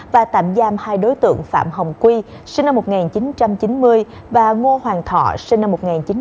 và tạm giam hai đối tượng phạm hồng quy sinh năm một nghìn chín trăm chín mươi và ngô hoàng thọ sinh năm một nghìn chín trăm chín mươi